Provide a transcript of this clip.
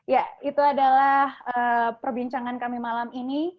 ya itu adalah perbincangan kami malam ini